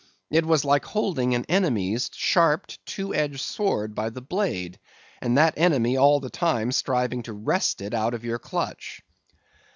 It was like holding an enemy's sharp two edged sword by the blade, and that enemy all the time striving to wrest it out of your clutch.